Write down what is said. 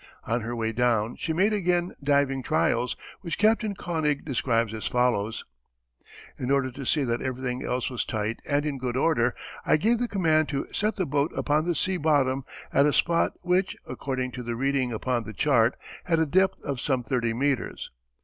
On her way down she made again diving trials which Captain König describes as follows: In order to see that everything else was tight and in good order, I gave the command to set the boat upon the sea bottom at a spot which, according to the reading upon the chart, had a depth of some 30 meters.